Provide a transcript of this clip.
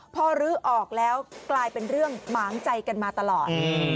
พอลื้อออกแล้วกลายเป็นเรื่องหมางใจกันมาตลอด